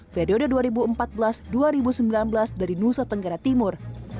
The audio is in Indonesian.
periode dua ribu empat belas dua ribu sembilan belas dari nusa tenggara timur